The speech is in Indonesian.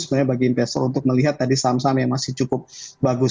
sebenarnya bagi investor untuk melihat tadi saham saham yang masih cukup bagus